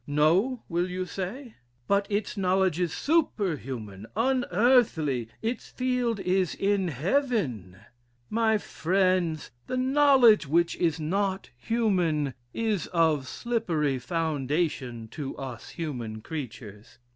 'No,' will you say? 'but its knowledge is superhuman, unearthly its field is in heaven.' My friends, the knowledge which is not human, is of slippery foundation to us human creatures.